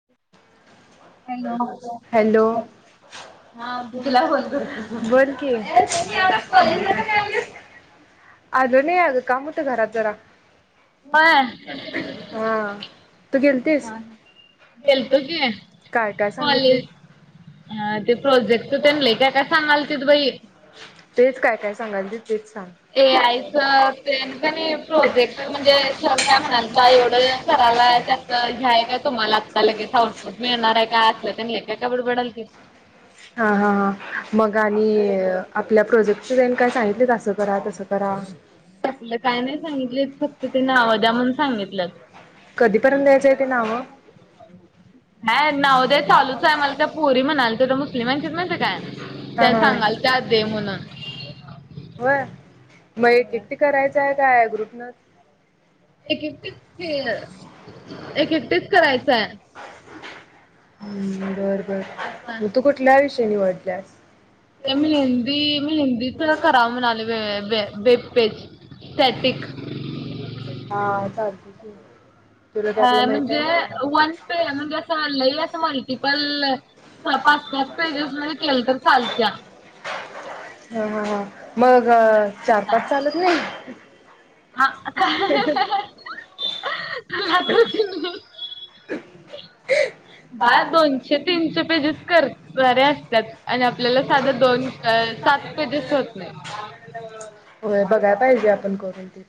[unintelligible] Hello! Hello ना. हा बोल की काय नाही आज कॉलेज का नाही आली? [unintelligible] आलो नाय अगं काम होतं घरतं जरा. हा तू गेलतीस [unintelligible] गेलतो की काय काय सांगितले कॉलेज ह ते प्रोजेक्ट तेन लय काय काय सांगाल तिथ बई तेचचं काय - काय सांगाल ते तेचं सांग. ए- आयचं तेना का नाय प्रोजेक्ट म्हणजे सर काय म्हणाल करलंय. हे हाय का तुम्हाला आत्ता लगेच आउटपुट मिळणार आहे का लय काय काय बडबडयले ते. हा हां हां, मग आणि आपल्या प्रोजेक्टचे त्यांनी काय सांगितले असं करा तसं करा. तसलं काय नाही सांगितलेत फक्त नावं द्या म्हणून सांगितलंत. कधीपर्यंत द्यायचं आहे ते नावं? [unintelligible] हय नावं दया चालूचं आहे मला त्या पोरी म्हणाले त तर मुस्लिमाच्या माहिते काय. हा त्या सांगाल हा त्या दे म्हणून. होय मग एक एकिकटी करायचंय का या ग्रुपन. एक एकटीस - एक एकटीचं करायचंय. ह बरं - बरं अच्छा मग तू कुठल्या विषयी निवडल्यास? त्या हिंदी मी हिंदी करावले म्हणाले वेब पेज. स्टॅटिक हा चालते की. तुला आपलं माहित म्हणजे आहे ना? वन पे म्हणजे असं लई असं मल्टिपल पाच पाच पेजेस मध्ये के केलं तर चालत्या हां हां हां, मग चार पाच चालत नाही? हां काय? लागंल की [unintelligible] बाळ दोनशे-तीनशे पेजेस कर णारे असतात, आणि आपल्याला साध्या दोन सात पेजेस होत नाहीत. होय बघाय पाहिजे आपण करून ते.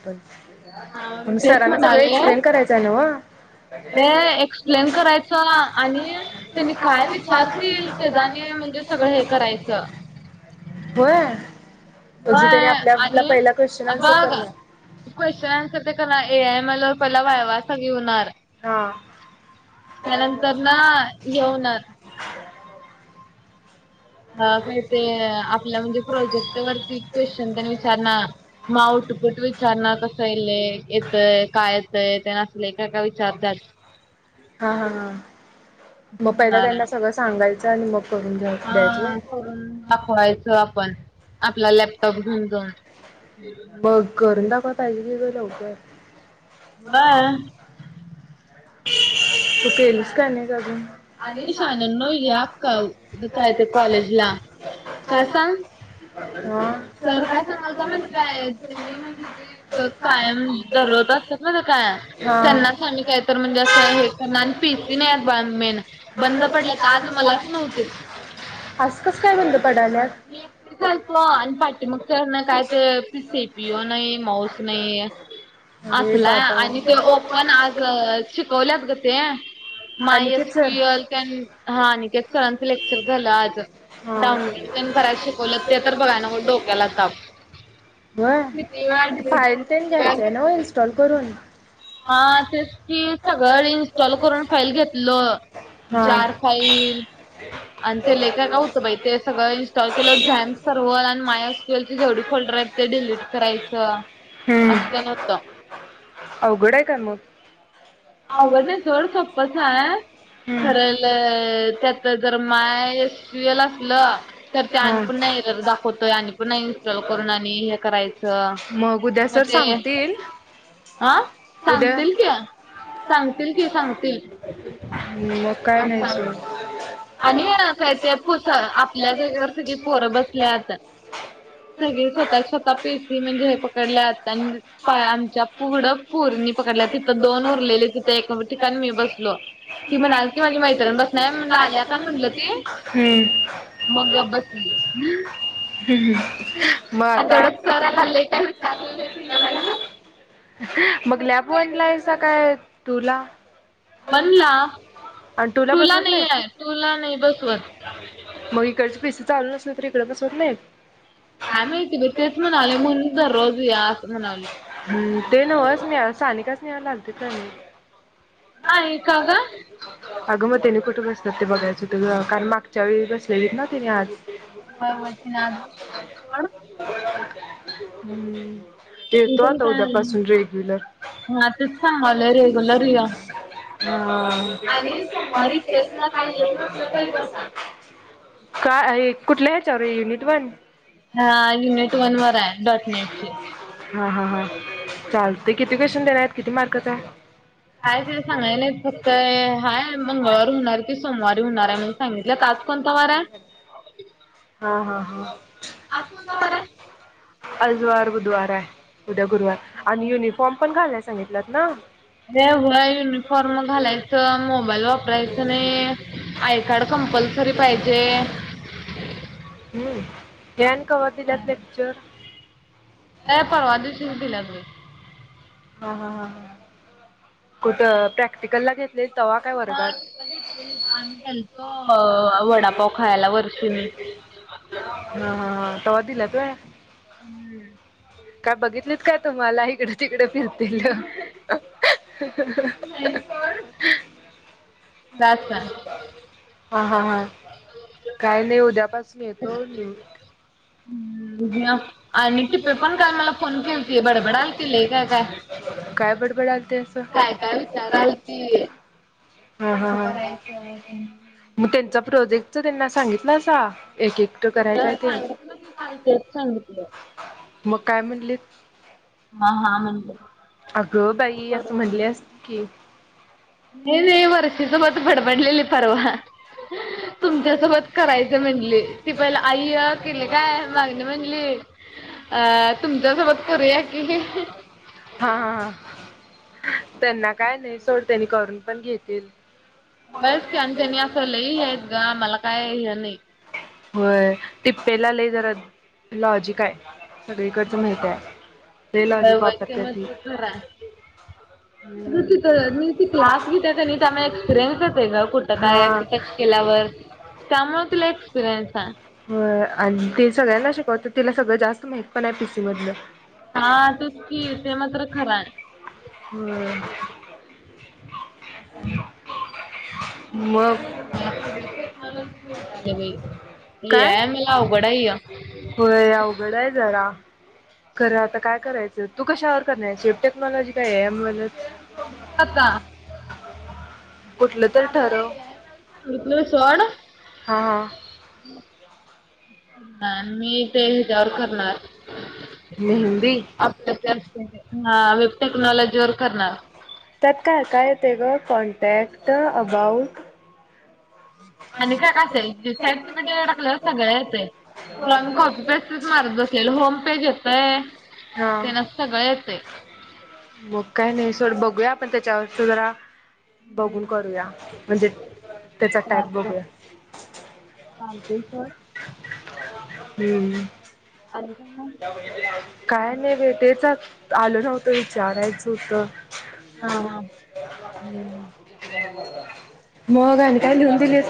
हा मग मी आणि तेच सरांना सगळं एक्सप्लेन म्हणाले करायचं आहे नव्ह? ते एक्सप्लेन करायचं आणि त्यांनी काय विचारतील तेच आणी म्हणजे सगळं हे करायचं. होय ब म्हणजे त्यांनी आपल्याला आणि पहिला क्वेश्चन आन्सर बघ करणार. क्वेश्चन आन्सर ते करणार ए आय एम एल वर पहिला वायवा सगळी होणार. हां. त्यानंतर ना हे होणार अ काय ते आपल्या म्हणजे प्रोजेक्ट वरती क्वेश्चन तेन विचारणार. मग आउटपुट विचारणार कसं येलय येतंय का येतंय तेन असले [unintelligible] विचारतात. हां हां हां मग पहिला होणार त्यांना आहे. सगळं सांगायचं आणि मग करून घ्या द्यायचंय होय! हा करून दाखवायचं आपण, आपला लॅपटॉप घेऊन. मग करून दाखवाय पाहिजे की गं लवकर! बा [unintelligible] [inaudible] तू असं केलीस आहे का नाही अजून आणि शहाण्यांनो या का काय ते कॉलेजला. का सांग! सर काय सांगालता माहीत आहे काय तुम्ही म्हणजे जे कायम दररोज असतात नव्हे काय हा त्यांनाच हा आम्ही कायतर म्हणजे असं हे करणार आणि पी सी नाहीयेत बाळ मेन बंद पडल्यात आज मलाच नव्हतीत. असं कसं काय बंद पडाल्यात? मी एकटीच आलतो आणि पाठीमागच्याना काय ते सी पी यू नाही माऊस नाही. अरे असल आहे बाबा. आणि ते ओपन आज शिकवल्यात गं ते. माय एस अनिकेत सर. पी ल तेन हां अनिकेत सरांचं लेक्चर झालं आज. हा. डाऊनलोड तेन करायच शिकवल्यात ते तर बघाय नको डोक्याला ताप होय! ते फाईल तेन घ्यायच आहे नव्हे इन्स्टॉल करून? हां तेच. की सगळ इनस्टॉल करून फाईल घेतलो हा जार फाईल आणि ते लई काय काय होतं बाई ते सगळं इन्स्टॉल केलं झॅम सर्व्हर आणि माय ऑनस्केलची जेवढी फोल्डर आहेत ते डिलीट करायचं हम्म अस तेन होतं. अवघड आहे काय मग? अवघड नाही सोड सोप्पच आहे. खर त्यात जर माय स्क्विल असलं तर ते आणि पुन्हा एरर दाखवतोय आणि पुन्हा इन्स्टॉल करून आणि हे करायचं. अ उद्या मग सर ते सांगतील हा उद्या? सांगतील की सांगतील की सांगतील मग काय आज नाही सांग सोड आणि काय ते पुस आपल्या जागेवर सगळी पोरं बसल्यात. सगळी स्वतःच्या स्वतः पी सी म्हणजे हे पकडल्यात आणि आमच्या पुढ पोरीनी पकडल्यात. फक्त दोन उरलेले तिथं एका ठिकाणी मी बसलो ती म्हणालती माझी मैत्रीण बसणार आहे मी म्हणलं आल्यात का म्हणलं ती हम्म मग गप बसली. मग आणि आता तेवढ्यात सर आला, लई काय विचारली नाही तिनं मला. मग लॅब वन ला हायसा काय टू ला? वन ला टूला टू ला बसवत नाही आहे नाहीत टू ला नाही बसवत. मग इकडचे पिसी चालू नसलं तर इकडं बसवत नाहीत. काय माहिती बाई तेच म्हणालोय म्हणून दररोज येवूया असं म्हणालोय. सानिका, स्नेहल आलती का नाही? नाही का ग? अगं मग तेनी कुठं बसत्यात ते बघायचं होतं गं कारण मागच्या वेळी बसलेलीत ना तेनी आत. व्हय व्हय तेनी आत बसल्यालीत. [unintelligible] तू पण आता काय, उद्यापासून रेग्युलर हा तेच सांगालोय रेग्युलर या. हा आणि सोमवारी टेस्टला काय येत नसलं तरी बसा. काय आहे, कुठल्या हेच्यावर युनिट वन हा युनीट वन वर आहे डॉट नेटची. हा हा हा चालतयं किती क्वेश्चन देणार आहेत, किती मार्कच आहे? [unintelligible] सांगाय नाहीत फक्त हाय मंगळवारी होणार हुती सोमवारी होणार आहे म्हणून सांगितल्यात. आज कोणता वार आहे? हा हा हा आज कोणता वार आहे? आज वार बुधवार आहे, उद्या गुरुवार आणि युनिफॉर्म पण घालाय सांगितल्यात ना? ते होय युनिफॉर्म घालायचं, मोबाईल वापरायचं नाही. आय कार्ड कंपल्सरी पाहिजे. हूं ते आणि कवा दिल्यात लेक्चर? काय परवा दिवशीच दिल्यात म्हणं. हा हा हा कुठं प्रॅक्टिकलला घेतलेली तवा. काय हा वर्गात आम्ही गेलतो वडापाव खायला वर्षी मी. हा हा तवा दिल्यात व्हयं. हूं काय बघितलीत काय तुम्हांला इकडं तिकडं फिरतेलं. [unintelligible] जास्त हा हा हा काही नाही उद्यापासून येतो मी. या आणि टिपे पण काल मला फोन केलती बडबडालती लय काय काय? काय बडबडालते असं काय काय विचारालती? हा हा हा मग त्यांचा प्रोजेक्टच त्यांना सांगितलासा एक एक तुला सांगितलं की काल तेच सांगितलं. मग काय म्हणलीत? हा हा हा म्हणलीत. अगं बाई! असं म्हणली असलं की. ते नाही वर्षीसोबत बडबडलेली परवा. तुमच्यासोबत करायचं म्हणली ती पहिला आईया केली काय आणि मागनं म्हणली. अ तुमच्या सोबत करूया कि. हा हा हा त्यांना काय नाही सोड त्यांनी करून पण घेतील. बस की तेनी असं लई हे आहेत गं मला काय हे नाही. व्हंय टिपे लई जरा लॉजिक आहे. सगळीकडचं माहित आहे ते व्हय, लॉजिक व्हय ते वापरते ती मात्र खरं आहे. हम्म नची क्लास गीताया का त आम एक्सपिरयन्स येतंग कुठ काय? हा केल्यावर त्यामुळे तीला एक्सपिरियन्स आहे. वय आणि ती सगळ्यांना शिकवती तिला सगळं जास्त माहित पण आहे पीसी मधलं. हा तीच की ते मात्र खरा आहे. होय. [inaudible] [unintelligible] मला वाट काय या मला अवघड आहे ये. होय अवघड आहे जरा. खरं आता काय करायचं तू कशावर करण्यायची टेक्नॉलॉजी आहे. [inaudible] आता धुतले सोड. हा हा अ, मी. ते याचवर करणार मेहंदी [unintelligible] टेक्नॉलॉजी वर करणार. त्यात काय काय येत गं कॉन्टॅक्ट, अबाउट [inaudible] आणि काय असेल ते चार्ट मध्ये टाकलेलं सगळ येते. कॉपी पेस्ट च मारत बसलेल होम पेज येतंय. हा ते न असं सगळ येत आहे. मग काय नाही सोड बघूया आपण त्याच्यावर च जरा बघून करूया म्हणजे त्याचा टाप बघूया. काकेश्वर. हम्म. आणि काय मग? काय नाही बाई तेच आलं नव्हतं विचारायचं होतं. हा ह ह. मग आणि काय लिहून दिले.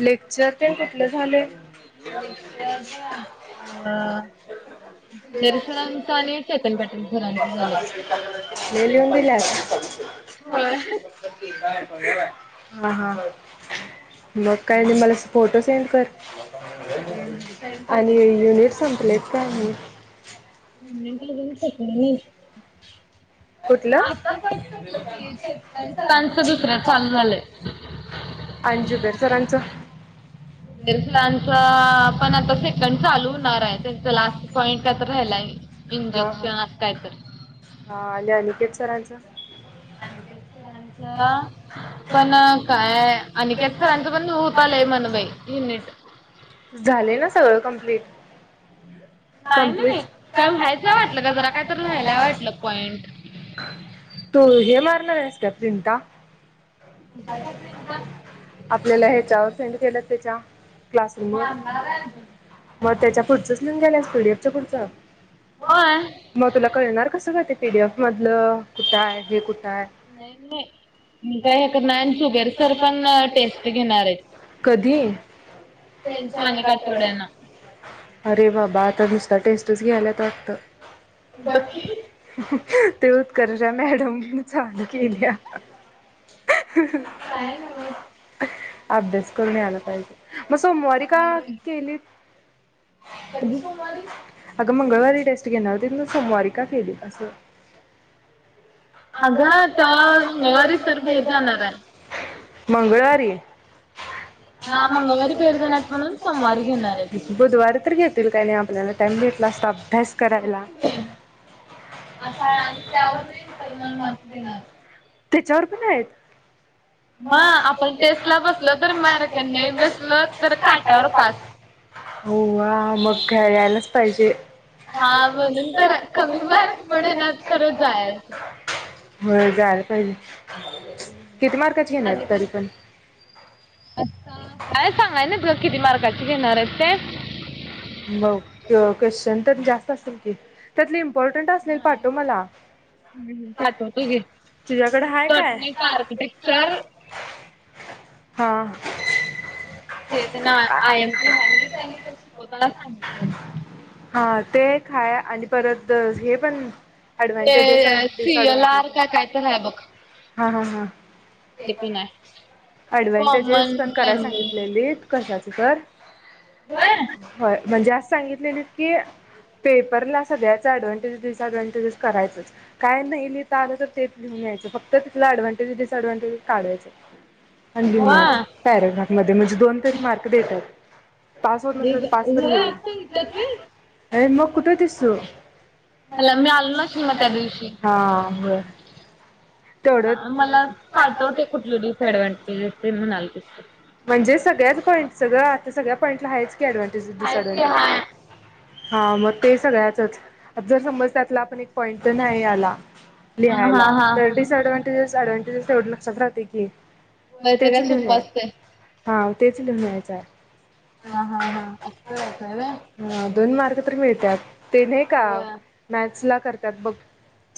लेक्चर ते कुठलं झाले. [inaudible] दरसरांचं आणि चेतन पाटील सरांच झालंय. लय लिहून दिल्यात हो. हा हा. मग काय नाही, मला फोटो सेंड कर. हम्म आणि युनिट संपलेत का नाहीत? श [inaudible] कुठलं? संपलं की चेतन सरांचं दुसरं चालू झालंय. आणि जुबेर सरांचं. लांच पण आता सेकंड चालू होणार आहे, त्यांच लास्ट पॉइंट काय तर राहिलाय. हा हा इंजेक्शन अस कायतर. हा आणि अनिकेत सरांचं. सारंच. पण काय अनिकेत सरांच पण होत आलंय मनबाई युनिट. झाले ना सगळं कंप्लीट. नाही कंप्लीट नाही काय व्हायचं वाटलं का जरा काय तर व्हायला वाटलं पॉईंट. तू हे मारणार आहेस का प्रिंटा? ता [unintelligible] आपल्याला ह्याच्यावर सेंड केल्यात त्याच्या,, क्लासरूम वर. मग त्याच्या पुुचंच नेन गेस स्कुडिपचा कुडचा [unintelligible] होय. मग तुला कळणार कसं गं ते पीडीएफ मधलं,, कुठं हाय हे कुठं हाय. न नाही काय ह कर ना शुगर सर पण टेस्ट घेणार आहेत. कधी त्यांच्यी आणि एक आठवड्यांनं. अरे बाबा आता नुसता टेस्टच घ्याल्यात वाटतं. बघकी ते उत्कर्षा मॅडमनं चांगलं केल्या. ह [unintelligible] काय का [unintelligible] अभ्यास करून याला पाहिजे, मग सोमवारी का केलीस? अगं मंगळवारी टेस्ट घेणार होतीत, सोमवारी का केली असं. अगं तवा मंगळवारी सर बाहेर जाणार आहे. मंगळवारी हा मंगळवारी बाहेर जाणार म्हणून सोमवारी घेणार आहेत. बुधवार घेतील क नाही आपल्याला टाइम भेटला असता अभ्यास करायला. त्याच्यावर पण आहेत मग हण आपण ते टेस्टला बसलो तर मार्क नाही बसलो तर काटावर पास. [unintelligible] हो वा मग काय यायलाच पायजे. हा म्हणून तर त कमी मार्क पडेनात खरं जायाचं. [unintelligible] हो जायला पहिजे की,,, किती मार्काची घेणार तरी पण? आत्ता काय सांगाय नाय सर किती मार्काची घेणार आहेत ते. क क्वेश्चन तर जास्त असतील की,, त्यातले इम्पॉर्टंट असलेल पाठव मला. पाठवतो घे. तुझ्याकडं हाय डॉट काय? नेट आर्किटेक्चर हां. ते त्यांना आय एम पी म्हणजे त्यांनी क नाही शिकतानाच सांगितलय. हा ते एक हाय आणि परत हे पण अडवटेज आणी ते सी एल आर डिसएडवटेज काय काय तर आहे बघ हा हा हा ते पण आहे. अडव्हनटेजेस कॉमन पण कराय लँग्वेज सांगितलेली कशाच तर होय, म्हणजे असं सांगितललेलं की पेपरला सगळ्यच अडव्हटेजस डिसॲडव्हनटज करायंच. काय नाही लिहता आलं तर तेच लिहून यायचं,, फक्त तितल अऍडव्हांटेज डिअडव्हांटज काढवाच. आणि लीहून वा यायचं पॅरग्राफ मध्ये, म्हणजे दोन तरी मार्क देत्यात, पास होत नसलं तर पास तर होय हुईल,, आज सांगितल्यात व्हय. हे मग कुठ दिसु? हा मला मी आलो नशील मग त्या दिवशी. हा होय. हा, मला पाठव ते कुठल डिसडव्हन्टेजेस ते म्हणालतीस. म्हणजे सगळ्याच पॉईंट गं,, आता सगळ्या पॉईंटला हायच की एडव्हटेज डिसअडव्हनटेज. हा मग ते सगळ्याचच. जर समज त्यातला आपण एक पॉईंट तर नाही आला हा लिहायला,, हा तर डिसएडव डव्हटेजेस तेवढं लक्षत राहतय की. वय ते तेच काय लिहून सोप्प आहे असतय. हा तेच लिहून यायचं ह हा हा असं करायचय वय. हा दोन मार्क तर मिळत्यात. ते नाही का? होय मॅथ्स ला करत्यात बघ.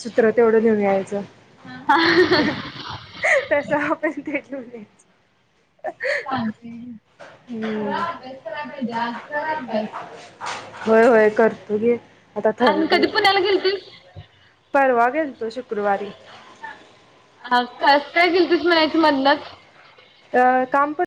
सूत्र तेवढं लेऊन यायचं. हा [inaudible] तस आपण थेट लिवलय. हुं. खर अभ्यास करायला पाहिजे. होय होय करतो गे. आता थर आणि डी कधी पुण्याला गेलतीस? परवा गेलतो शुक्रवारी. हा कस काय गेलतिस म्हणायच मधनच. अ काम पण